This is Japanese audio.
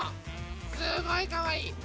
すごいかわいい！